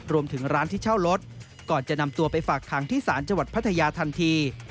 รวมถึงร้านที่เช่ารถก่อนจะนำตัวไปฝากขังที่ศาลจังหวัดพัทยาทันที